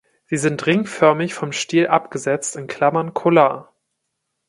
Sie sind ringförmig vom Stiel abgesetzt (Kollar).